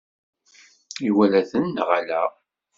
Iwala-tent neɣ ala?